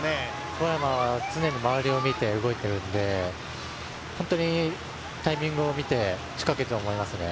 小山は常に周りを見て動いているので、本当にタイミングを見て仕掛けると思いますね。